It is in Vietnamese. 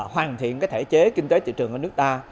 hoàn thiện cái thể chế kinh tế trị trường của nước ta